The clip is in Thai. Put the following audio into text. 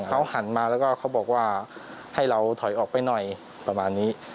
เขาหันมาแล้วก็เขาบอกว่าให้เราถอยออกไปหน่อยประมาณนี้